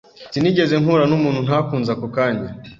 Sinigeze mpura numuntu ntakunze ako kanya.